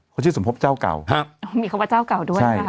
มีคำว่าเจ้าเก่าด้วยนะคะ